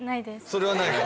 それはないか